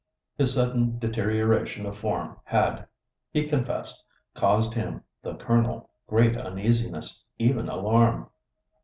His sudden deterioration of form had, he confessed, caused him, the Colonel, great uneasiness, even alarm.